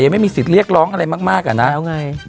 ยังไม่มีสิทธิ์เรียกร้องอะไรมากมากอ่ะนะแล้วไง